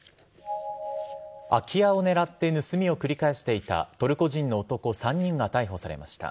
空き家を狙って盗みを繰り返していたトルコ人の男３人が逮捕されました。